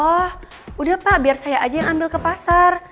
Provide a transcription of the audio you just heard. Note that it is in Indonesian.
oh udah pak biar saya aja yang ambil ke pasar